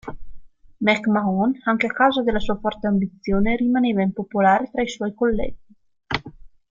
McMahon, anche a causa della sua forte ambizione, rimaneva impopolare tra i suoi colleghi.